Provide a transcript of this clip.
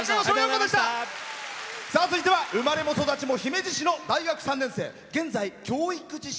続いては生まれも育ちも姫路市の大学３年生。